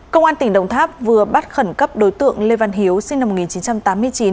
công an tỉnh đồng tháp vừa bắt khẩn cấp đối tượng lê văn hiếu sinh năm một nghìn chín trăm tám mươi chín